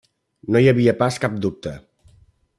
No hi havia pas cap dubte.